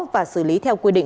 và xử lý theo quyền